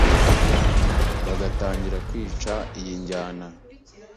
bagatangira kwica iyi njyana